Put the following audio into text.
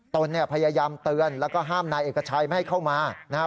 ตนเนี่ยพยายามเตือนแล้วก็ห้ามนายเอกชัยไม่ให้เข้ามานะฮะ